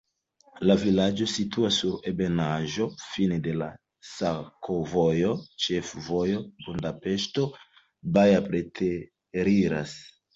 La vilaĝo situas sur ebenaĵo, fine de sakovojo, ĉefvojo Budapeŝto-Baja preteriras.